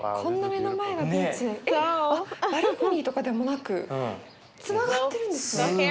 えっバルコニーとかでもなくつながってるんですね。